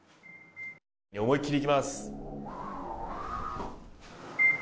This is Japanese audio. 思いっきりいきます。